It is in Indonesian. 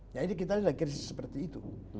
jadi kita lagi seperti itu